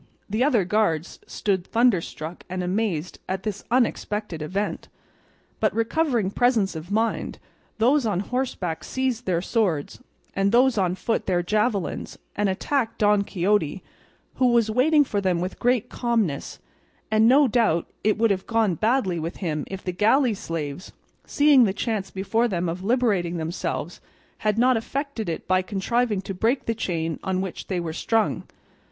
The other guards stood thunderstruck and amazed at this unexpected event, but recovering presence of mind, those on horseback seized their swords, and those on foot their javelins, and attacked Don Quixote, who was waiting for them with great calmness; and no doubt it would have gone badly with him if the galley slaves, seeing the chance before them of liberating themselves, had not effected it by contriving to break the chain on which they were strung.